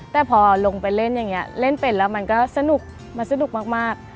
แต่พอลงไปเล่นอย่างนี้เล่นเป็นแล้วมันก็สนุกมันสนุกมาก